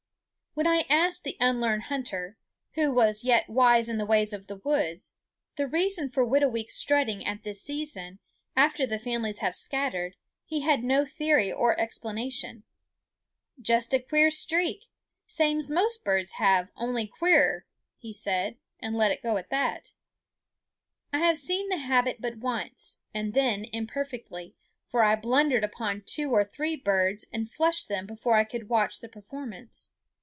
When I asked the unlearned hunter who was yet wise in the ways of the woods the reason for Whitooweek's strutting at this season, after the families have scattered, he had no theory or explanation. "Just a queer streak, same's most birds have, on'y queerer," he said, and let it go at that. I have seen the habit but once, and then imperfectly, for I blundered upon two or three birds and flushed them before I could watch the performance.